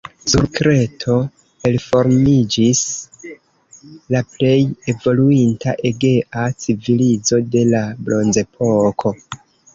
Sur Kreto elformiĝis la plej evoluinta egea civilizo de la bronzepoko.